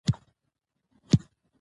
خو زيتون بانو، صفيه حليم